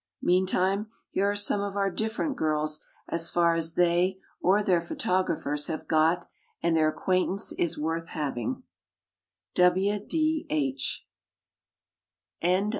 Meantime, here are some of our Different Girls as far as they or their photographers have got, and their acquaintance is worth having.